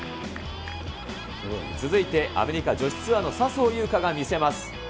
続いてアメリカ女子ツアーの笹生優花が見せます。